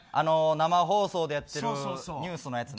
生放送でやってるニュースのやつね。